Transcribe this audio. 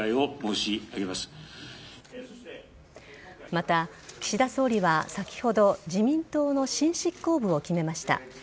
また、岸田総理は先ほど自民党の新執行部を決めました。